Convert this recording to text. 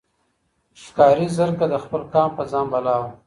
ښکاري زرکه د خپل قام په ځان بلا وه